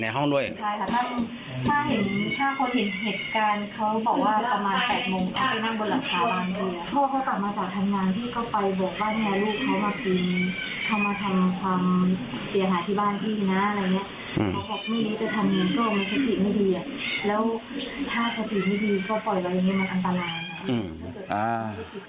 แล้วถ้าคติไม่ดีก็ปล่อยอะไรอย่างนี้มันอันตราย